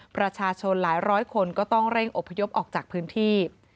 ประชาชนหลายร้อยคนก็ต้องเร่งอพยพออกจากพื้นที่